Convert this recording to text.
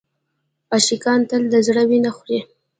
عاشقان تل د زړه وینه خوري.